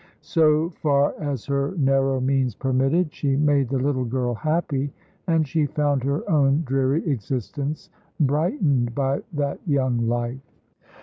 So far as her narrow means permitted she made the little girl happy, and she found her own dreary existence brightened by that young life.